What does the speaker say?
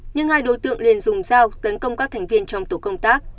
nhưng hai đối tượng liền dùng dao tấn công các thành viên trong tổ công tác